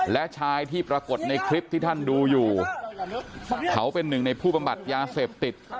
และชายที่ปรากฏในคลิปที่ท่านดูอยู่เขาเป็นหนึ่งในผู้บำบัดยาเสพติด